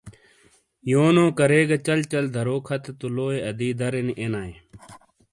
یونو کریگا چَل چَل دَرو کھتے تو لوئیے اَدی درینی اینایئے۔